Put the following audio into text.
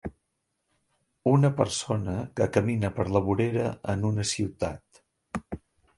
Una persona que camina per la vorera en una ciutat.